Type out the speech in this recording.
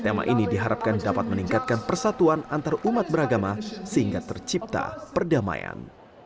tema ini diharapkan dapat meningkatkan persatuan antarumat beragama sehingga tercipta perdamaian